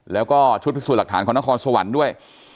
แล้วก็ชุดพิสูจน์หลักฐานของนครสวรรค์ด้วย